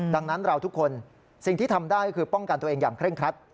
ดังนั้นเราทุกคนสิ่งที่ทำได้ก็คือป้องกันตัวเองอย่างเคร่งครัด